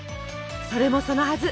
それもそのはず